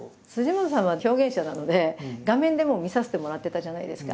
本さんは表現者なので画面でもう見させてもらってたじゃないですか。